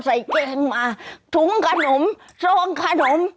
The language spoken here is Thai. แกงมาถุงขนมซองขนม